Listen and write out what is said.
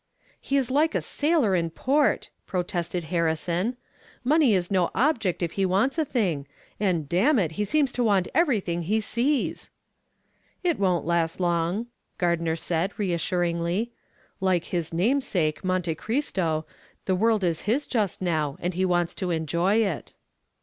"He's like a sailor in port," protested Harrison. "Money is no object if he wants a thing, and damn it he seems to want everything he sees." "It won't last long," Gardner said, reassuringly. "Like his namesake, Monte Cristo, the world is his just now and he wants to enjoy it."